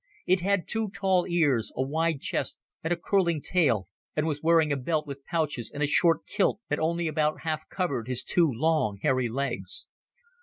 It had two tall ears, a wide chest, and a curling tail, and was wearing a belt with pouches and a short kilt that only about half covered his two long, hairy legs.